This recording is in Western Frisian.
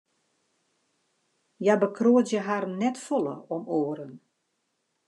Hja bekroadzje harren net folle om oaren.